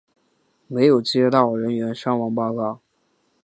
没有接到人员伤亡报告。